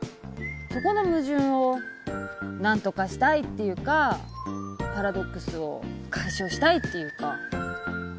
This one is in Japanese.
そこの矛盾を何とかしたいっていうかパラドックスを解消したいっていうか。